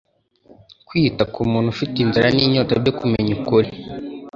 Kwita ku muntu ufite inzara n’inyota byo kumenya ukuri